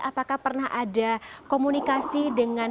apakah pernah ada komunikasi dengan